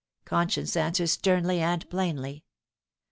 Conscience answers sternly and plainly.